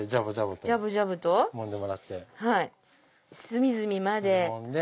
隅々まで。